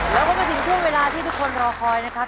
แล้วก็มาถึงช่วงเวลาที่ทุกคนรอคอยนะครับ